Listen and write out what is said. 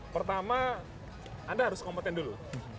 pertama anda harus kompeten dulu